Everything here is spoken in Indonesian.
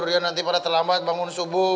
kemudian nanti pada terlambat bangun subuh